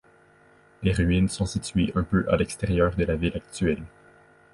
Les ruines sont situées un peu à l'extérieur de la ville actuelle.